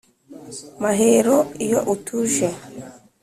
mahero iyo utuje